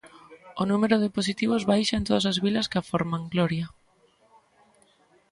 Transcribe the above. O número de positivos baixa en todas as vilas que a forman, Gloria...